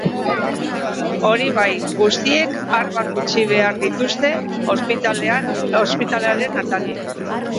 Hori bai, guztiek armak utxi behar dituzte ospitalearen atarian.